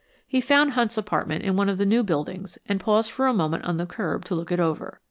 He found Hunt's apartment in one of the new buildings and paused for a moment on the curb to look it over.